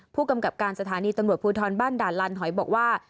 ผู้กำกับการสถานีตำรวจภูทรบ้านด่านลานหอยบอกว่า